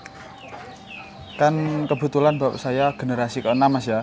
iya kan kebetulan saya generasi ke enam ya